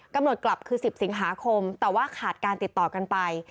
กำหนดกลับคือ๑๐สิงหาคมแต่ว่าขาดการติดต่อกันไป